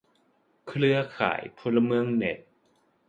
เครือข่ายพลเมืองเน็ต